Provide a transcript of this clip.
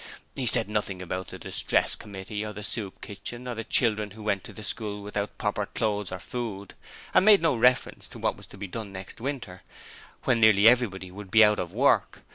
He said nothing about the Distress Committee or the Soup Kitchen or the children who went to school without proper clothes or food, and made no reference to what was to be done next winter, when nearly everybody would be out of work.